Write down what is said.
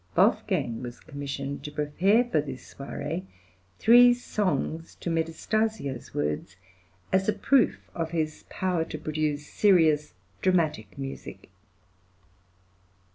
Wolfgang was commissioned to prepare for this soirée three songs to Metastasio's words as a proof of his power to produce serious dramatic music.